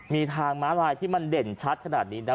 มีทางม้าลายที่มันเด่นชัดขนาดนี้นะ